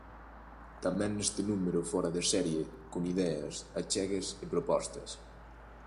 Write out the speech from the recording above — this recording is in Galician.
Tamén neste número Fóra de Serie, con ideas, achegas e propostas.